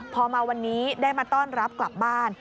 พอมาวันนี้ได้มาต้อนรับกลับบ้าน